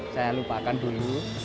saya lupakan dulu